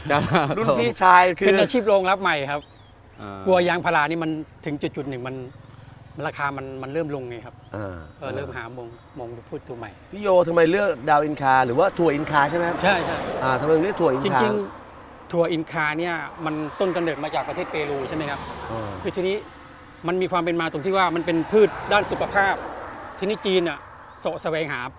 อ่ารุ่นพี่ชายเป็นนาชีพโรงรับใหม่ครับอ่าคุณพ่อคุณพ่อคุณพ่อคุณพ่อคุณพ่อคุณพ่อคุณพ่อคุณพ่อคุณพ่อคุณพ่อคุณพ่อคุณพ่อคุณพ่อคุณพ่อคุณพ่อคุณพ่อคุณพ่อคุณพ่อคุณพ่อคุณพ่อคุณพ่อคุณพ่อคุณพ่อคุณพ่อคุณพ่อคุณพ่อคุณพ่อคุณพ่อคุณพ่อคุณพ่อคุณพ